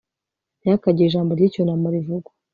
ntihakagire ijambo ry'icyunamo rivugwa